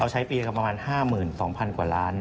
ใช้ปีก็ประมาณ๕๒๐๐๐กว่าล้าน